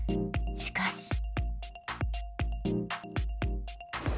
しかし。